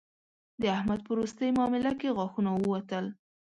د احمد په روستۍ مامله کې غاښونه ووتل